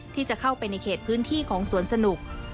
ที่จะเข้าไปในเขตพื้นที่ของสวนสนุก